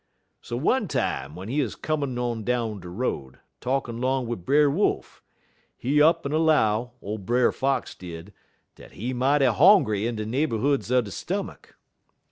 "So one time w'en he 'uz comin' on down de road, talkin' 'long wid Brer Wolf, he up'n 'low, ole Brer Fox did, dat he mighty hongry in de neighborhoods er de stomach.